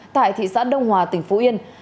tại thị xã đông hòa tỉnh phú yên